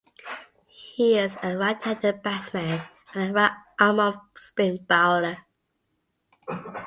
He is a right-handed batsman and a right-arm off spin bowler.